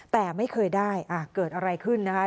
แต่ไม่เคยได้เกิดอะไรขึ้นนะคะ